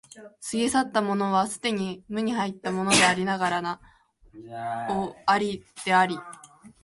過ぎ去ったものは既に無に入ったものでありながらなお有であり、